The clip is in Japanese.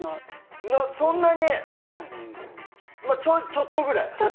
そんなにちょっとぐらい。